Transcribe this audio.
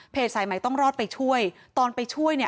สายใหม่ต้องรอดไปช่วยตอนไปช่วยเนี่ย